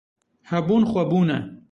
Hebûn, xwebûn e.